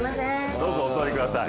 どうぞお座りください。